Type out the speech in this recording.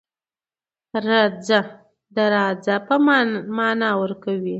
رڅه .د راځه معنی ورکوی